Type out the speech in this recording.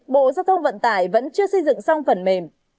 bộ giao thông vận tải vẫn chưa xây dựng xong phần mềm